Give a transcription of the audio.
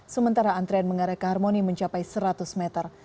sementara antrean mengarah ke harmoni mencapai seratus meter